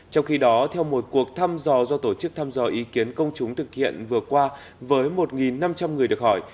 trong khi đó theo một cuộc thăm dò do tổ chức thăm dò ý kiến công chúng thực hiện vừa qua với một năm trăm linh người được hỏi